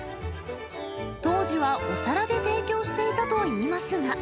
当時はお皿で提供していたといいますが。